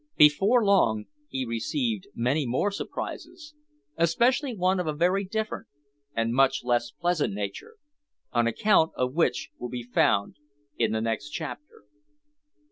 Before long he received many more surprises, especially one of a very different and much less pleasant nature, an account of which will be found in the next chapter.